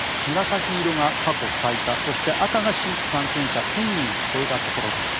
紫色が過去最多そして赤が新規感染者１０００人を超えたところです。